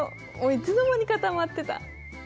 いつの間にかたまってた。